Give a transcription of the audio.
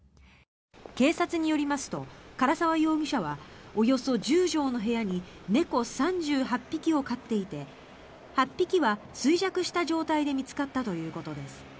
警察によりますと唐澤容疑者はおよそ１０畳の部屋に猫３８匹を飼っていて８匹は衰弱した状態で見つかったということです。